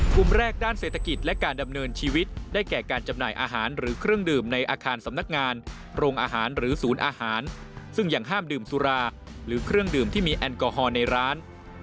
กลุ่มแรกด้านเศรษฐกิจและการดำเนินชีวิตได้แก่การจำหน่ายอาหารหรือเครื่องดื่มในอาคารสำนักงานโรงอาหารหรือศูนย์อาหารซึ่งยังห้ามดื่มสุราหรือเครื่องดื่มที่มีแอลกอฮอล์ในร้าน